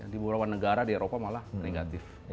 di beberapa negara di eropa malah negatif